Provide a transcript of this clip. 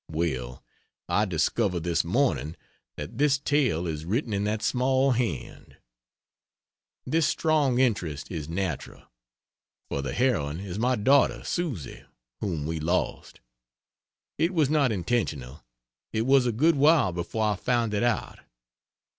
Well, I discover, this morning, that this tale is written in that small hand. This strong interest is natural, for the heroine is my daughter, Susy, whom we lost. It was not intentional it was a good while before I found it out.